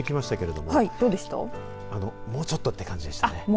もうちょっとという感じでしたね。